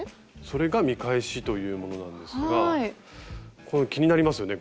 それが見返しというものなんですが気になりますよね